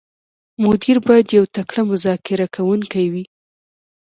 مدیر باید یو تکړه مذاکره کوونکی وي.